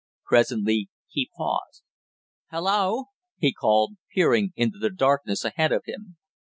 Presently he paused. "Hullo!" he called, peering into the darkness ahead of him.